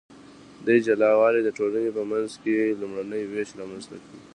دې جلا والي د ټولنې په منځ کې لومړنی ویش رامنځته کړ.